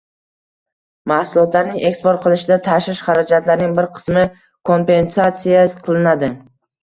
Mahsulotlarni eksport qilishda tashish xarajatlarining bir qismi kompensatsiya qilinadi